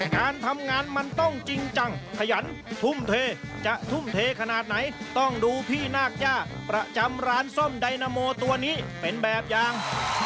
การทำงานมันต้องจริงจังขยันทุ่มเทจะทุ่มเทขนาดไหนต้องดูพี่นาคย่าประจำร้านส้มไดนาโมตัวนี้เป็นแบบอย่าง